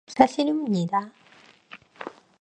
예, 사실입니다.